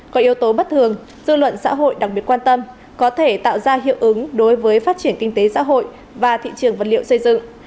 có yếu tố bất thường dư luận xã hội đặc biệt quan tâm có thể tạo ra hiệu ứng đối với phát triển kinh tế xã hội và thị trường vật liệu xây dựng